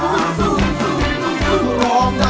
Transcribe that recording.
โทษใจโทษใจโทษใจโทษใจโทษใจโทษใจโทษใจ